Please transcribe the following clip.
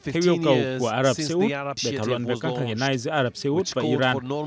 theo yêu cầu của ả rập xê út để thảo luận về các tháng ngày nay giữa ả rập xê út và iran